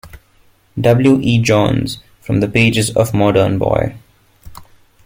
W. E. Johns from the pages of "Modern Boy".